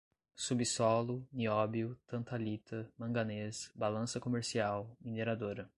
subsolo, nióbio, tantalita, manganês, balança comercial, mineradora